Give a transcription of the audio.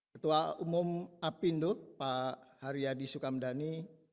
ketua umum api induk pak haryadi sukamdhani